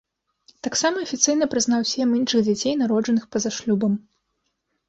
Таксама афіцыйна прызнаў сем іншых дзяцей, народжаных па-за шлюбам.